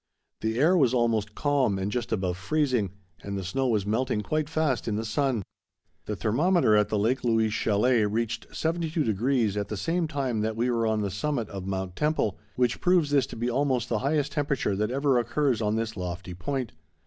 The air was almost calm and just above freezing, and the snow was melting quite fast in the sun. The thermometer at the Lake Louise chalet reached seventy two degrees at the same time that we were on the summit of Mount Temple, which proves this to be almost the highest temperature that ever occurs on this lofty point.